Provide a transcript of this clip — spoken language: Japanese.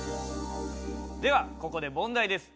ではここで問題です。